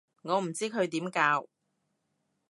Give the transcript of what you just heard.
我唔知佢點教